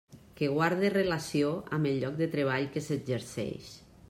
Que guarde relació amb el lloc de treball que s'exerceix.